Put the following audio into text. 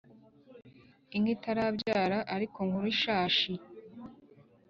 Inka itarabyara ariko nkuru ishashi